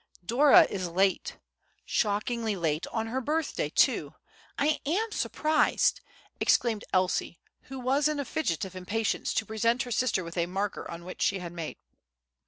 "DORA is late—shockingly late—on her birthday too! I am surprised!" exclaimed Elsie, who was in a fidget of impatience to present her sister with a marker which she had made.